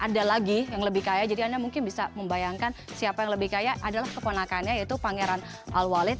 ada lagi yang lebih kaya jadi anda mungkin bisa membayangkan siapa yang lebih kaya adalah keponakannya yaitu pangeran al walid